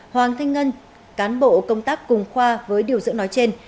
hoàng thanh ngân cán bộ công tác cùng khoa với điều dưỡng nói trên